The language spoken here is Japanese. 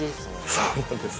そうなんです。